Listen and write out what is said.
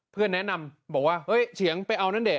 เพื่อนแนะนำบอกว่าเฮ้ยเฉียงไปเอานั่นได้